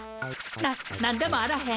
な何でもあらへん。